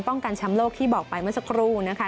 ป้องกันแชมป์โลกที่บอกไปเมื่อสักครู่นะคะ